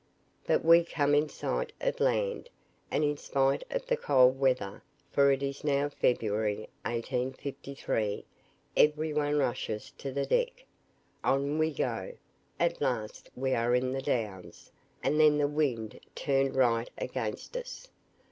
But we come in sight of land; and in spite of the cold weather, for it is now February, 1853, every one rushes to the deck. On we go; at last we are in the Downs, and then the wind turned right against us.